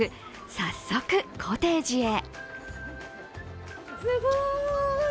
早速、コテージへ。